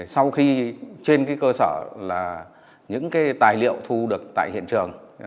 sau khi trên cơ sở là những cái tài liệu thu được tại hiện trường